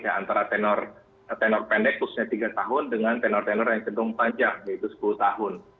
antara tenor pendek khususnya tiga tahun dengan tenor tenor yang gedung panjang yaitu sepuluh tahun